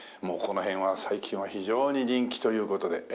もうこの辺は最近は非常に人気という事で。